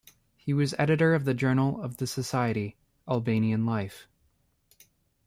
He was Editor of the journal of the society, "Albanian Life".